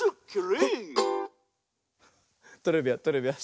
トレビアントレビアン。